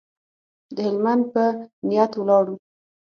د هلمند په نیت ولاړو.